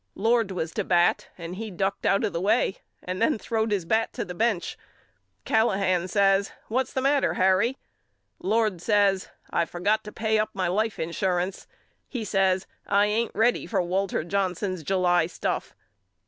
Lord was to bat and he ducked out of the way and then throwed his bat to the bench. Callahan says What's the matter Harry? Lord says I forgot to pay up my life insurance. He says I ain't ready for Walter Johnson's July stuff.